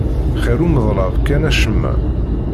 Xir umeḍlab kan acemma.